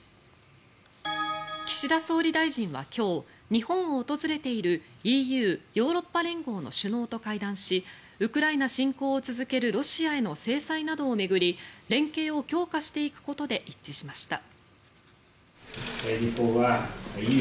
岸田総理大臣は今日日本を訪れているＥＵ・ヨーロッパ連合の首脳と会談しウクライナ侵攻を続けるロシアへの制裁などを巡り連携を強化していくことで一致しました。